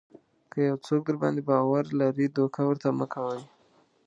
که یو څوک درباندې باور لري دوکه ورته مه کوئ.